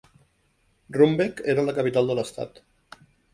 Rumbek era la capital de l'estat.